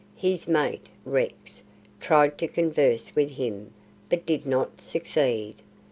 His "mate" Rex tried to converse with him, but did not succeed.